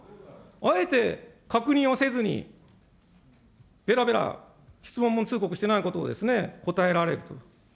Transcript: あえて確認をせずに、べらべら、質問も通告してないことを答えられると。